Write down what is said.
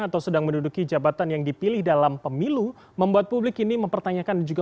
atau sedang menduduki jabatan yang dipilih dalam pemilu membuat publik ini mempertanyakan juga